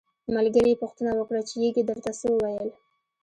ملګري یې پوښتنه وکړه چې یږې درته څه وویل.